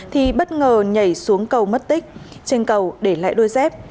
thì bất ngờ nhảy xuống cầu mất tích trên cầu để lại đôi dép